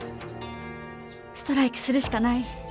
ストライキするしかない。